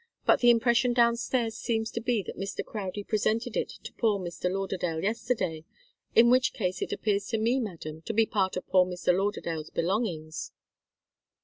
But the impression downstairs seems to be that Mr. Crowdie presented it to poor Mr. Lauderdale yesterday, in which case it appears to me, madam, to be part of poor Mr. Lauderdale's belongings."